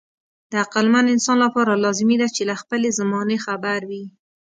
د عقلمن انسان لپاره لازمي ده چې له خپلې زمانې خبر وي.